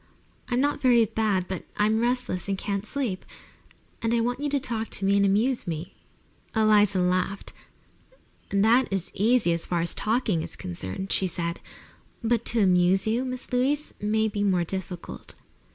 "I'm not very bad, but I'm restless and can't sleep, and I want you to talk to me and amuse me." Eliza laughed. "That is easy, as far as talking is concerned," she said. "But to amuse you, Miss Louise, may be more difficult."